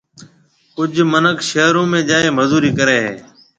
ڪجھ مِنک شھرون ۾ جائيَ مزوري ڪرَي ھيََََ